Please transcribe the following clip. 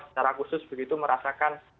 secara khusus begitu merasakan